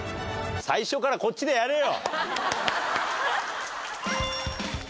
最初からこっちでやれよ！